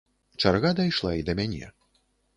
Чарга дайшла і да мяне.